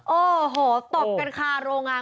โอ้โหตบกันคาโรงงาน